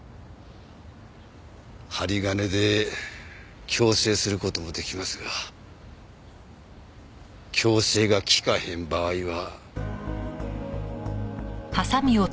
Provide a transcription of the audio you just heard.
針金で矯正する事も出来ますが矯正がきかへん場合は。